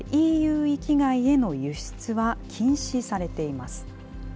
ＥＵ域外への輸出は禁止されています。